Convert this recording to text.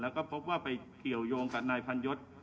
แล้วก็พบว่าไปเกี่ยวยงกับนายพันยศ